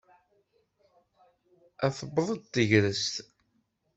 A tewweḍ-d tegrest.